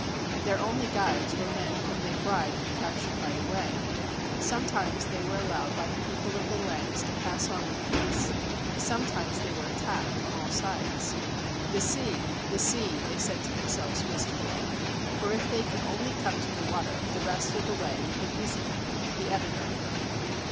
Their only guides were men whom they bribed or captured by the way. Sometimes they were allowed by the people of the lands to pass on in peace; sometimes they were attacked on all sides. "The sea, the sea," they said to themselves wistfully; for if they could only come to the water, the rest of the way would be easy. The Editor.